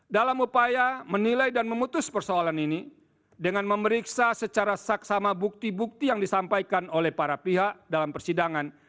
dalam upaya menilai dan memutus persoalan ini dengan memeriksa secara saksama bukti bukti yang disampaikan oleh para pihak dalam persidangan